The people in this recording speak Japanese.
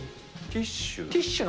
ティッシュ？